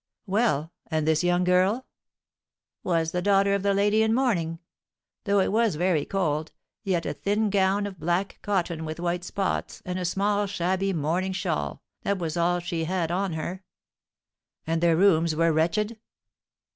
"Well, and this young girl?" "Was the daughter of the lady in mourning. Though it was very cold, yet a thin gown of black cotton with white spots, and a small, shabby mourning shawl, that was all she had on her." "And their rooms were wretched?"